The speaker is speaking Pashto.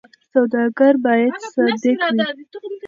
سوداګر باید صادق وي.